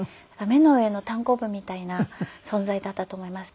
目の上のたんこぶみたいな存在だったと思います。